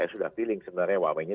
saya sudah feeling sebenarnya wamennya